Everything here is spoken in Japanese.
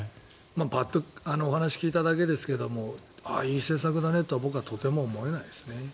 パッとお話を聞いただけですけどいい政策だねとは僕はとても思えないですね。